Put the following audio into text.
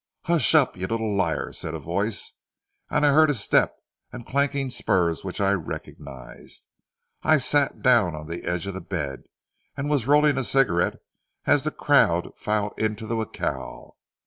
"Hush up, you little liar," said a voice, and I heard a step and clanking spurs which I recognized. I had sat down on the edge of the bed, and was rolling a cigarette as the crowd filed into the jacal.